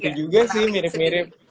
ya gitu juga sih mirip mirip